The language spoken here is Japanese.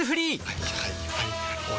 はいはいはいはい。